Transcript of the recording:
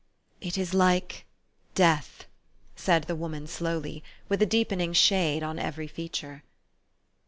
11 It is like death," said the woman slowly, with a deepening shade on every feature.